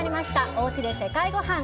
おうちで世界ごはん。